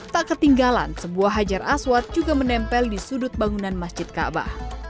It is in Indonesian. tak ketinggalan sebuah hajar aswat juga menempel di sudut bangunan masjid ka'bah